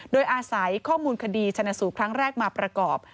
โดยอาศัยข้อมูลคดีชนสูตรครั้งแรกมาประกอบ